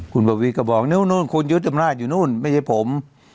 คุณประวิทย์ก็บอกนิ้วนู่นคุณยึดอำนาจอยู่นู่นไม่ใช่ผม